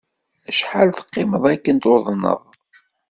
Acḥal teqqimeḍ akken tuḍneḍ?